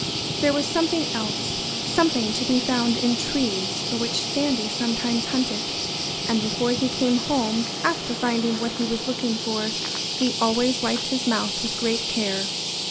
There was something else something to be found in trees for which Sandy sometimes hunted. And before he came home, after finding what he was looking for, he always wiped his mouth with great care.